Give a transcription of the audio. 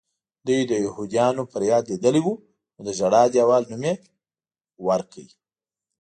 دوی د یهودیانو فریاد لیدلی و نو د ژړا دیوال نوم یې ورکړی.